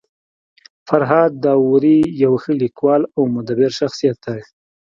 فرهاد داوري يو ښه لیکوال او مدبر شخصيت دی.